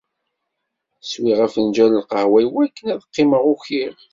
Swiɣ afenǧal n lqahwa iwakken ad qqimeɣ ukiɣ.